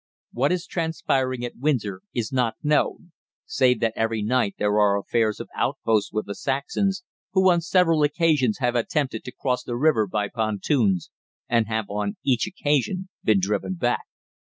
What is transpiring at Windsor is not known, save that every night there are affairs of outposts with the Saxons, who on several occasions have attempted to cross the river by pontoons, and have on each occasion been driven back.